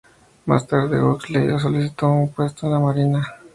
Más tarde, Huxley solicitó un puesto en la marina.